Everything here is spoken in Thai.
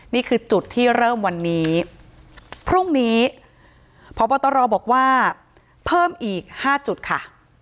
นี่คือจุดที่เริ่มวันนี้พรุ่งนี้พบตรบอกว่าเพิ่มอีก๕จุดค่ะ